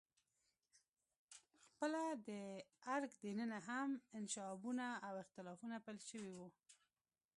خپله د درګ دننه هم انشعابونه او اختلافونه پیل شوي وو.